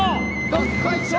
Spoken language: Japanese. どっこいしょ！